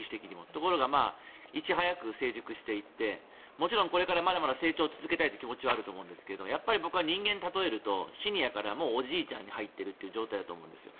ところがいち早く成熟していってもちろんこれからまだまだ成長を続けたいという気持ちはあると思うんですが人間に例えるとシニアからおじいちゃんになっていったところだと思うんですよ。